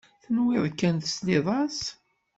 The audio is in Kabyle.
Tenwiḍ kan tesliḍ-as.